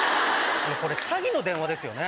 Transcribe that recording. これ詐欺の電話ですよね？